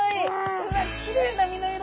うわっきれいな身の色！